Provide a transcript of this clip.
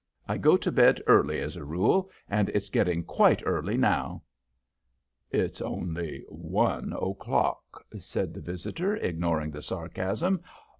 I go to bed early, as a rule, and it's getting quite early now." "It's only one o'clock," said the visitor, ignoring the sarcasm.